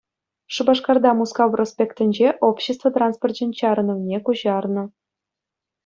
Шупашкарта Мускав проспектӗнче общество транспорчӗн чарӑнӑвне куҫарнӑ.